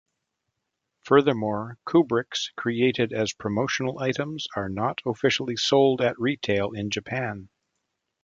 Furthermore, Kubricks created as promotional items are not officially sold at retail in Japan.